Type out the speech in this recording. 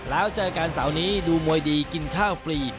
แล้วเจอกันเสาร์นี้ดูมวยดีกินข้าวฟรี